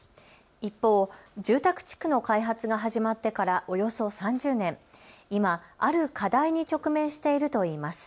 一方、住宅地区の開発が始まってからおよそ３０年、今ある課題に直面しているといいます。